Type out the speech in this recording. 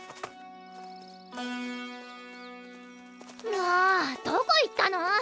もうどこ行ったの！？